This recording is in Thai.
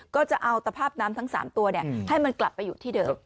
ก็จะเอาตภาพน้ำทั้ง๓ตัวให้มันกลับไปอยู่ที่เดิม